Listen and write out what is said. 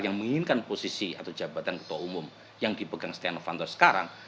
yang menginginkan posisi atau jabatan ketua umum yang dipegang setia novanto sekarang